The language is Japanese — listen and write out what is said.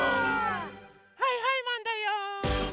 はいはいマンだよ！